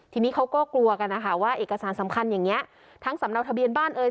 ทีนี้เขาก็กลัวกันนะคะว่าเอกสารสำคัญอย่างนี้ทั้งสำเนาทะเบียนบ้านเอ่ย